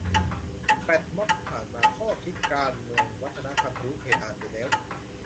แฟลชม็อบที่ผ่านมา ข้อคิดการเมืองวัฒนธรรมทะลุเพดานไปแล้ว